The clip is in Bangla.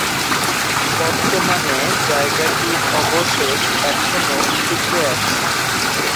বর্তমানে জায়গাটির অবশেষ এখনও টিকে আছে।